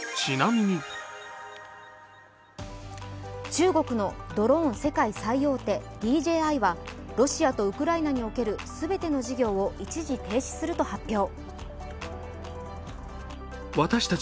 中国のドローン世界最大手ＤＪＩはロシアとウクライナにおける全ての事業を一時停止すると発表。